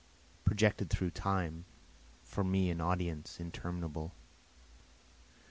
See, projected through time, For me an audience interminable.